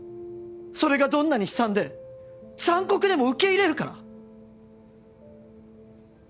それがどんなに悲惨で残酷でも受け入れるから！